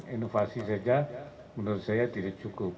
inovasi saja menurut saya tidak cukup